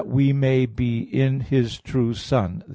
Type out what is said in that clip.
. we may be in His true Son.